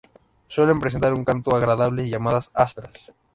Suelen presentar un canto agradable y llamadas ásperas.